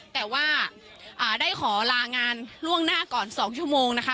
แต่ว่าได้ขอลางานล่วงหน้าก่อน๒ชั่วโมงนะคะ